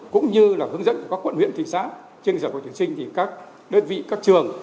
cũng như là hướng dẫn của các quận huyện thị xã trên giả của tuyển sinh thì các đơn vị các trường